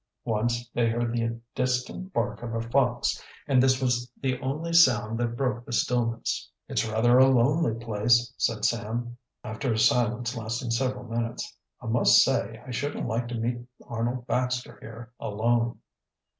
Once they heard the distant bark of a fox and this was the only sound that broke the stillness. "It's rather a lonely place," said Sam, after a silence lasting several minutes. "I must say I shouldn't like to meet Arnold Baxter here alone."